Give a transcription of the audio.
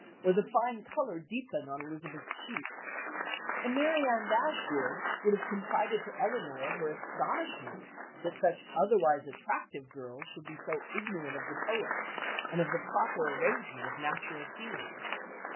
or the fine colour deepen on Elizabeth's cheeks, and Marianne Dashwood would have confided to Elinor her astonishment that such otherwise attractive girls should be so ignorant of the poets, and of the proper arrangement of natural scenery.